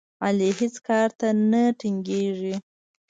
علي هېڅ کار ته نه ټینګېږي.